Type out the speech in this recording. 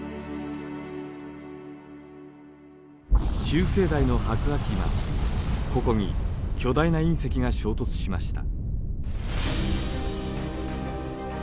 中生代の白亜紀末ここに巨大な隕石が衝突しました。